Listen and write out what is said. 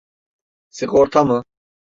Sigorta mı?